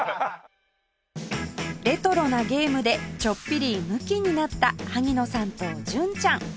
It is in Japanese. レトロなゲームでちょっぴりむきになった萩野さんと純ちゃん